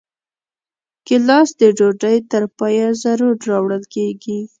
ګیلاس د ډوډۍ تر پایه ضرور راوړل کېږي.